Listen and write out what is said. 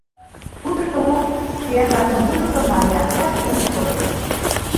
Шудышто лупс сӱан ватын вуйысо мариарча семын чолгыжын.